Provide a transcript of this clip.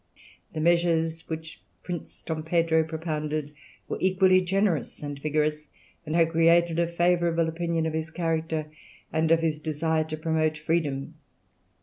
The measures which Prince Don Pedro propounded were equally generous and vigorous, and had created a favourable opinion of his character and of his desire to promote freedom.